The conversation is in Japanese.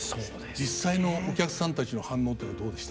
実際のお客さんたちの反応というのはどうでした？